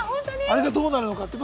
あれがどうなるのかって。